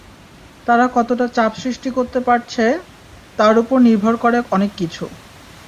তারা কতটা চাপ সৃষ্টি করতে পারছে, তার ওপর নির্ভর করে অনেক কিছু।